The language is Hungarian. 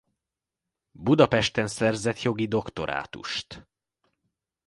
Budapesten szerzett jogi doktorátust.